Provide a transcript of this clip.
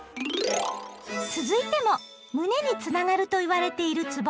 続いても胸につながるといわれているつぼ